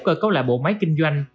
coi câu lại bộ máy kinh doanh